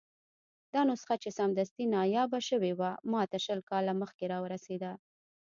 دا نسخه چې سمدستي نایابه شوې وه، ماته شل کاله مخکې راورسېده.